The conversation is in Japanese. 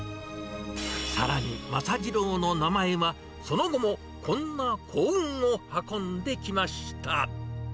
さらに、政次郎の名前は、その後もこんな幸運を運んできました。